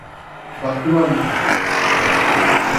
Batió al No.